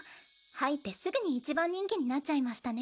入ってすぐに一番人気になっちゃいましたね。